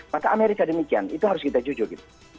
maka amerika demikian itu harus kita jujur gitu